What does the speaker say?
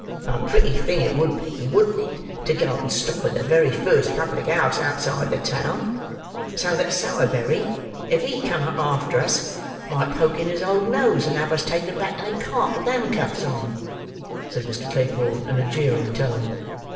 "A pretty thing it would be, wouldn't it to go and stop at the very first public house outside the town, so that Sowerberry, if he come up after us, might poke in his old nose, and have us taken back in a cart with handcuffs on," said Mr. Claypole in a jeering tone.